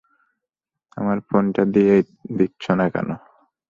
আমার ফোনটা দিয়ে দিচ্ছো না কেনো!